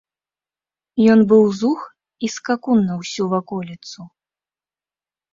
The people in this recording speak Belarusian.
Ён быў зух і скакун на ўсю ваколіцу.